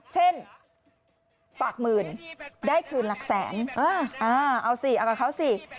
เช่นฝากหมื่นได้คืนหลักแสนเอาสิเอากับเขาสิ